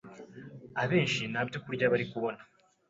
abenshi ntabyo kurya bari kubona.